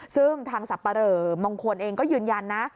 ซึ่งทางสับปะเหลอมงคลเองก็ยืนยันนะ